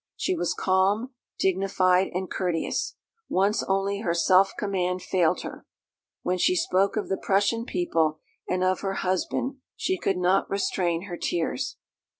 She was calm, dignified, and courteous; once only her self command failed her: "When she spoke of the Prussian people, and of her husband, she could not restrain her tears."